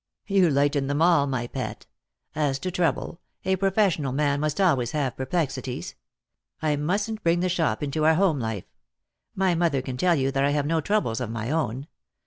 " You lighten them all, my pet. As to trouble, a professional man must always have perplexities. I mustn't bring the shop into our home life. My mother can tell you that I have no troubles of my own.